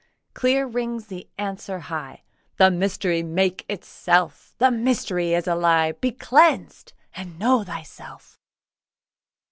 Clear rings the answer high, 'The mystery makes itself; The mystery is a lie; Be cleansed and know thyself.